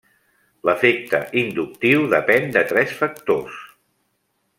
L'efecte inductiu depèn de tres factors.